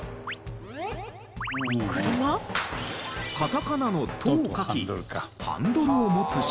カタカナの「ト」を書きハンドルを持つしぐさ。